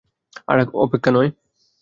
আর অপেক্ষা নয়।